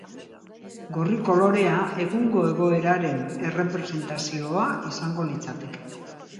Gorri kolorea egungo egoeraren errepresentazioa izango litzateke.